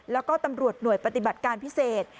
แล้วก็ตำรวจหน่วยปฏิบัติการพิเศษ